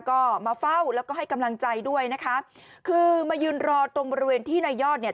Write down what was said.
ก็มาเฝ้าแล้วก็ให้กำลังใจด้วยนะคะคือมายืนรอตรงบริเวณที่นายยอดเนี่ย